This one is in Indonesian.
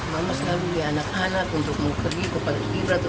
mama selalu lihat anak anak untuk mau pergi ke paskiberaka